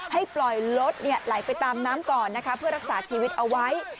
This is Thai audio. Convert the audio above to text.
ให้ปล่อยรถไหลไปตามน้ำก่อนนะคะเพื่อรักษาชีวิตเอาไว้